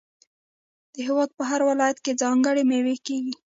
د هیواد په هر ولایت کې ځانګړې میوې کیږي.